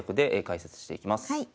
はい。